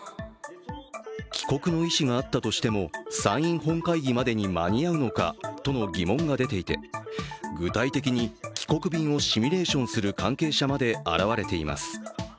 帰国の意思があったとしても参院本会議までに間に合うのかとの疑問が出ていて具体的に帰国便をシミュレーションする関係者まで現れています。